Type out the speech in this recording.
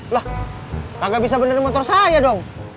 lah kagak bisa bener motor saya dong